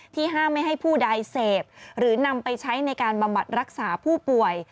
ห้ามไม่ให้ผู้ใดเสพหรือนำไปใช้ในการบำบัดรักษาผู้ป่วย